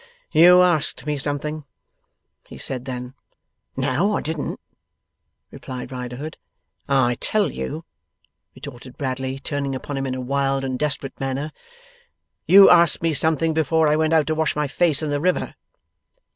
'You asked me something,' he said then. 'No, I didn't,' replied Riderhood. 'I tell you,' retorted Bradley, turning upon him in a wild and desperate manner, 'you asked me something, before I went out to wash my face in the river.